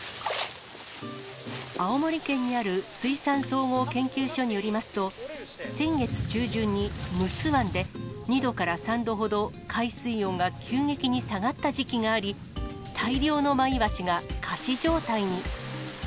青森県にある水産総合研究所によりますと、先月中旬に、陸奥湾で、２度から３度ほど、海水温が急激に下がった時期があり、大量のマイワシが仮死状態に。